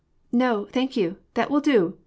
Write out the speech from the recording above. " No, thank you ! that will do !